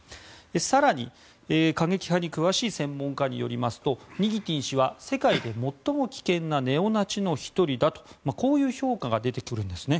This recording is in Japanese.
更に、過激派に詳しい専門家によりますとニギティン氏は世界で最も危険なネオナチの１人だとこういう評価が出てくるんですね。